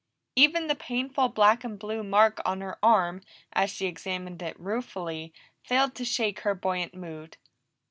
Even the painful black and blue mark on her arm, as she examined it ruefully, failed to shake her buoyant mood.